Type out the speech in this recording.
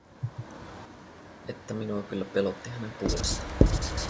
Että minua kyllä pelotti hänen puolestaan!